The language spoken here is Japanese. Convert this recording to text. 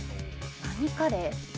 何カレー？